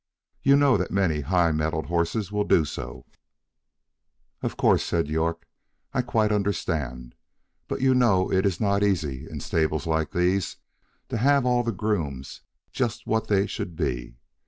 You know that many high mettled horses will do so." "Of course," said York, "I quite understand; but you know it is not easy in stables like these to have all the grooms just what they should be.